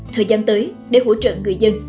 thời gian tới để hỗ trợ người dân